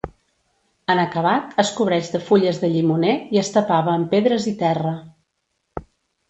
En acabat es cobreix de fulles de llimoner i es tapava amb pedres i terra.